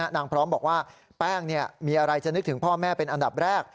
พร้อมบอกว่าแป้งมีอะไรจะนึกถึงพ่อแม่เป็นอันดับแรก